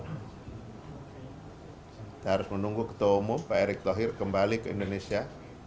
kita harus menunggu ketua umum pak erick thohir kembali ke indonesia